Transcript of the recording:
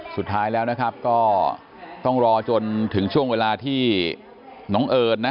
สุดท้ายแล้วนะครับก็ต้องรอจนถึงช่วงเวลาที่น้องเอิญนะ